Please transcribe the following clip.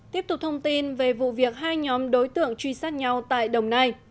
tiếp tục thông tin về vụ việc hai nhóm đối tượng truy sát nhau tại đồng nai